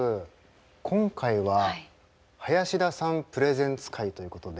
今回は林田さんプレゼンツ回ということで。